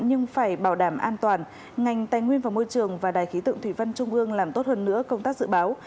nhưng phải bảo đảm an toàn ngành tài nguyên và môi trường và đài khí tượng thủy văn trung ương làm tốt hơn nữa công tác dự báo